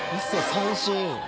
三振。